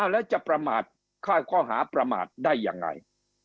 แล้วจะประมาทข้ายก็หาประมาทได้อย่างไร